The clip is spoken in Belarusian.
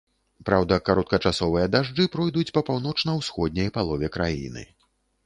Праўда, кароткачасовыя дажджы пройдуць па паўночна-ўсходняй палове краіны.